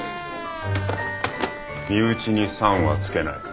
身内に「さん」は付けない。